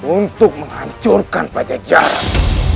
untuk menghancurkan pajajaran